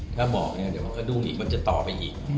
ถ้าบอกเนี่ยเดี๋ยวมันก็ดุ้งอีกมันจะต่อไปอีก